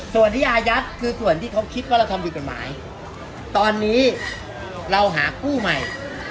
ส่วนที่อายัดคือส่วนที่เขาคิดว่าเราทำผิดกฎหมายตอนนี้เราหาคู่ใหม่